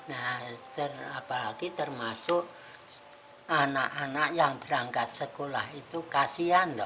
nah apalagi termasuk anak anak yang berangkat sekolah itu kasian loh